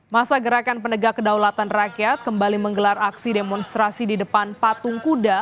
masa gerakan penegak kedaulatan rakyat kembali menggelar aksi demonstrasi di depan patung kuda